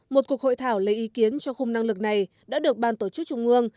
một cuộc hội thảo lấy ý kiến cho khung năng lực này đã được ban tổ chức trung ương